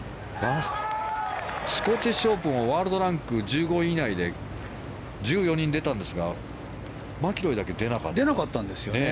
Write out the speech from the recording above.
スコティッシュオープンをワールドランク１５位以内で１４人出たんですがマキロイだけ出なかったんですよね。